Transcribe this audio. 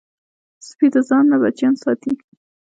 سپي د ځان نه بچیان ساتي.